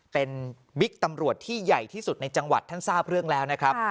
เป็นบิ๊กตำรวจที่ใหญ่ที่สุดในจังหวัดท่านทราบเรื่องแล้วนะครับ